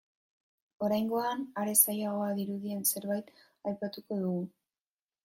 Oraingoan, are zailagoa dirudien zerbait aipatuko dugu.